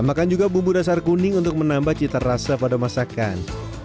makan juga bumbu dasar kuning untuk menambah cita rasa pada masakan